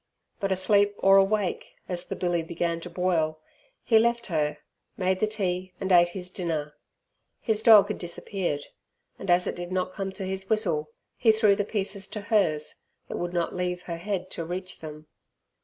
But asleep or awake, as the billy began to boil, he left her, made the tea, and ate his dinner. His dog had disappeared, and as it did not come to his whistle, he threw the pieces to hers, that would not leave her head to reach them.